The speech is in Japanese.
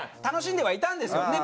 楽しんではいたんですよ。